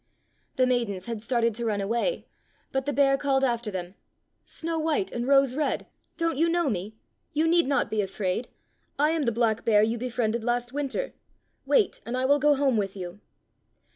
The maidens had started to run away, but the bear called after them : "Snow white and Rose red, don't you know me? You need not be afraid. I am the black bear you befriended last winter. Wait, and I will go home with you."